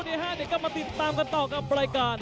เดี๋ยวกลับมาติดตามกันต่อกับรายการ